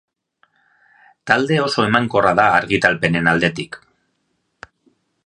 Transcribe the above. Talde oso emankorra da argitalpenen aldetik.